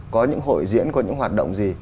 có những hội diễn có những hoạt động gì